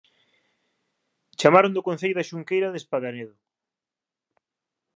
Chamaron do Concello de Xunqueira de Espadanedo